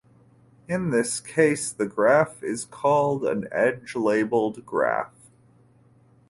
In this case, the graph is called an edge-labeled graph.